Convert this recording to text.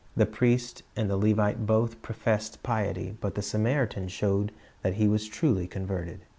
The priest and the Levite both professed piety, but the Samaritan showed that he was truly converted.